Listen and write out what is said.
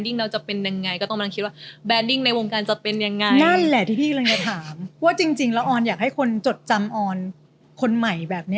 งานนี้ติดต่อมา